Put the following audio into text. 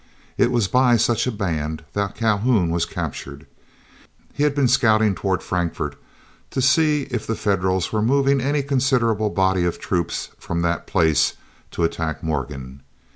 It was by such a band that Calhoun was captured. He had been scouting toward Frankfort to see if the Federals were moving any considerable body of troops from that place to attack Morgan.